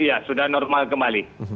ya sudah normal kembali